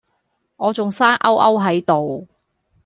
我仲生勾勾係度